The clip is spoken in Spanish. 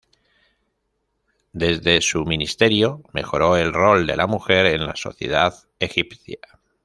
Desde su ministerio mejoró el rol de la mujer en la sociedad egipcia.